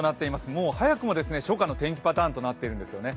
もう早くも初夏の天気パターンとなっているんですよね。